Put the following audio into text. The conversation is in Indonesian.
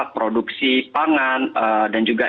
produksi pangan dan juga